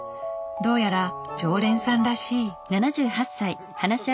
どうやら常連さんらしい。